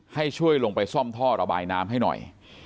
ให้ช่วยลงไปซ่อมท่อระบายน้ำให้หน่อย